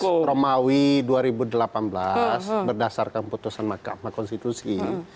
di putusan tiga puluh puu enam belas romawi dua ribu delapan belas berdasarkan putusan mahkamah konstitusi